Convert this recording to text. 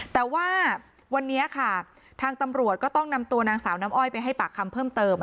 แต่ว่าวันนี้ค่ะทางตำรวจก็ต้องนำตัวนางสาวน้ำอ้อยไปให้ปากคำเพิ่มเติม